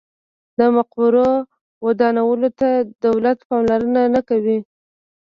د مقبرو ودانولو ته دولت پاملرنه نه کوي.